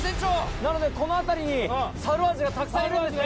なのでこの辺りに猿アジがたくさんいるんですね。